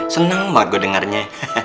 senang banget gue dengarnya